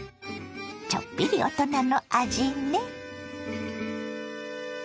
ちょっぴり大人の味ね。